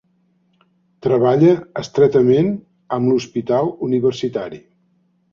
Treballa estretament amb l'hospital universitari.